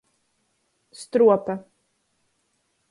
Struope.